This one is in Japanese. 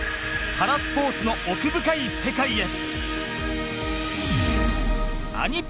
パラスポーツの奥深い世界へ。